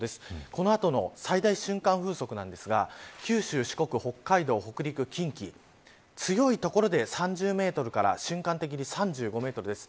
この後の最大瞬間風速ですが九州、四国、北海道、北陸、近畿強い所で３０メートルから瞬間的に３５メートルです。